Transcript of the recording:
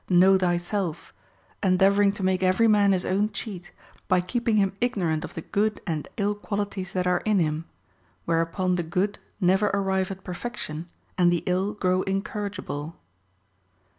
Know thyself, endeavoring to make every man his own cheat, by keeping him ignorant of the good and ill qualities that are in him ; whereupon the good never arrive at perfection, and the ill grow incorrigible.